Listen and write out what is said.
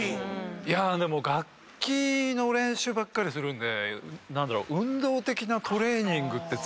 いやでも楽器の練習ばっかりするんで。